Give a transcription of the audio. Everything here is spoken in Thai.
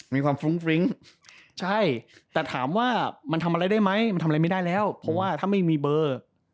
มีความฟรุ้งฟริ้งใช่แต่ถามว่ามันทำอะไรได้ไหมมันทำอะไรไม่ได้แล้วเพราะว่าถ้าไม่มีเบอร์